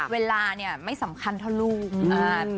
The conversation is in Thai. เวลาเนี่ยไม่สำคัญเท่าลูก